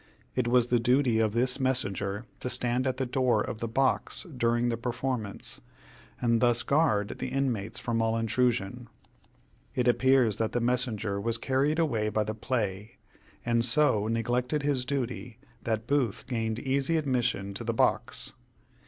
It was the duty of this messenger to stand at the door of the box during the performance, and thus guard the inmates from all intrusion. It appears that the messenger was carried away by the play, and so neglected his duty that Booth gained easy admission to the box.